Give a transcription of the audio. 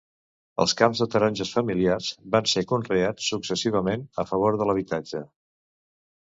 Els camps de taronges familiars van ser conreats successivament a favor de l'habitatge.